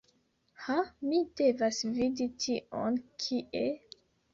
Ha mi devas vidi tion, kie?